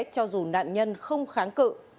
cho dù nạn nhân không kháng cự